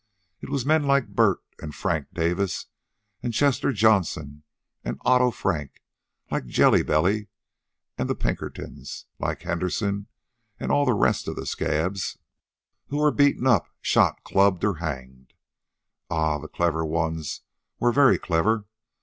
It was men like Bert and Frank Davis, like Chester Johnson and Otto Frank, like Jelly Belly and the Pinkertons, like Henderson and all the rest of the scabs, who were beaten up, shot, clubbed, or hanged. Ah, the clever ones were very clever.